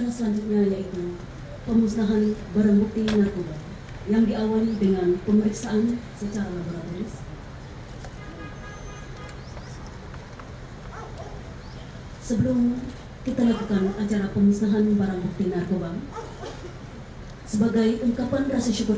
wassalamu'alaikum warahmatullahi wabarakatuh